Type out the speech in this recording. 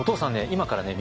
今からね